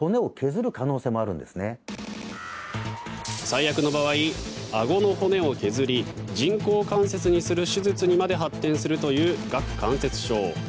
最悪の場合あごの骨を削り人工関節にする手術にまで発展するという顎関節症。